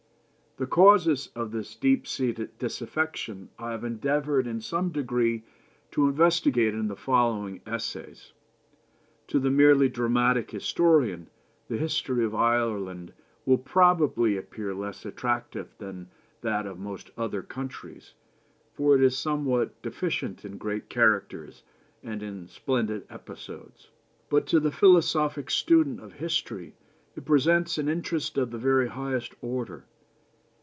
"The causes of this deep seated disaffection I have endeavoured in some degree to investigate in the following essays. To the merely dramatic historian the history of Ireland will probably appear less attractive than that of most other countries, for it is somewhat deficient in great characters and in splendid episodes; but to a philosophic student of history it presents an interest of the very highest order.